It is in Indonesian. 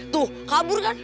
tuh kabur kan